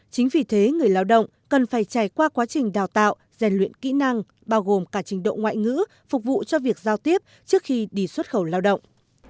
chính vì thế người lao động cần phải trải qua quá trình đào tạo rèn luyện kỹ năng bao gồm cả trình độ ngoại ngữ phục vụ cho việc giao tiếp trước khi đi xuất khẩu lao động